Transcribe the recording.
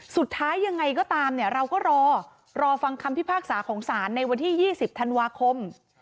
สุดท้ายยังไงก็ตามเนี่ยเราก็รอรอฟังคำพิพากษาของศาลในวันที่๒๐ธันวาคม